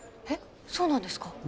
えっそうなんですか？